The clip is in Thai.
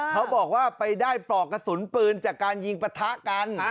เขาบอกว่าไปได้ปลอกกระสุนปืนจากการยิงปะทะกัน